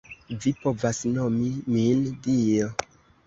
Vi povas nomi min, Dio.